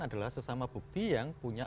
adalah sesama bukti yang punya